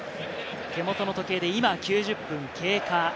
手元の時計で今９０分経過。